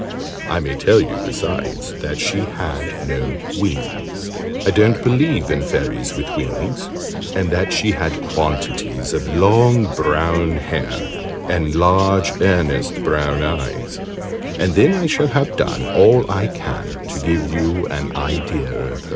I may tell you, besides, that she had no wings (I don't believe in Fairies with wings), and that she had quantities of long brown hair and large earnest brown eyes, and then I shall have done all I can to give you an idea of her.